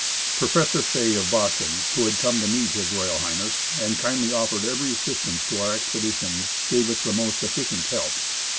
Professor Fay, of Boston, who had come to meet H.R. H., and kindly offered every assistance to our expedi tion, gave us the most efficient help.